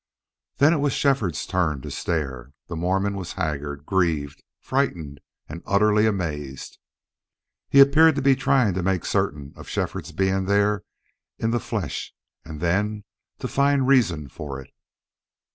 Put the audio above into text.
Then it was Shefford's turn to stare. The Mormon was haggard, grieved, frightened, and utterly amazed. He appeared to be trying to make certain of Shefford's being there in the flesh and then to find reason for it.